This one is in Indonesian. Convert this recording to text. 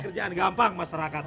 cari kerjaan gampang masyarakat